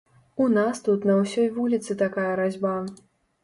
У нас тут на ўсёй вуліцы такая разьба!